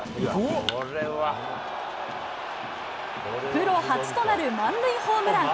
プロ初となる満塁ホームラン。